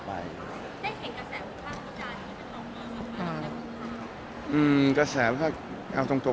ได้เห็นกระแสวิธาปุจัยหรือกระแสวิธาปุจัย